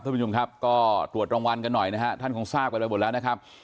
ท่านผู้ชมครับก็ตรวจรางวัลกันหน่อยนะฮะท่านคงทราบกันไปหมดแล้วนะครับ